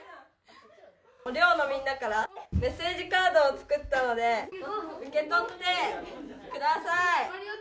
寮のみんなからメッセージカードを作ったので受け取ってください！